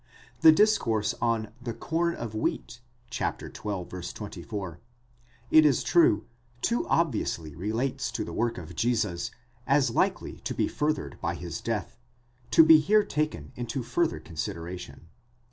The discourse on the corn of wheat, xii. 24, it is true, too obviously relates to the work of Jesus as likely to be furthered by his death, to be here taken into further considera tion.